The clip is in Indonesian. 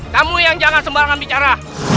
kamu yang jangan sembarangan bicara